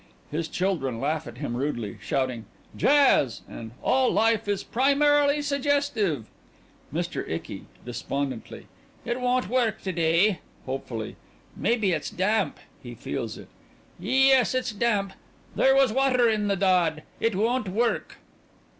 (His children laugh at him rudely, shouting "Jazz!" and "All life is primarily suggestive!") MR. ICKY: (Despondently) It won't work to day. (Hopefully) Maybe it's damp. (He feels it) Yes, it's damp.... There was water in the dod.... It won't work.